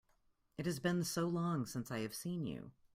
It has been so long since I have seen you!